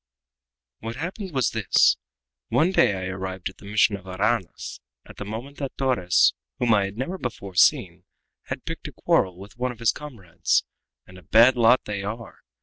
"What happened was this: One day I arrived at the mission of Aranas at the moment that Torres, whom I had never before seen, had picked a quarrel with one of his comrades and a bad lot they are!